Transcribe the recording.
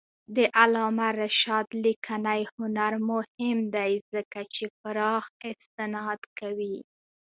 د علامه رشاد لیکنی هنر مهم دی ځکه چې پراخ استناد کوي.